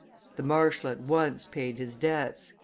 The marshal at once paid his debts.